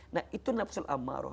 nah itu nafsu ammaroh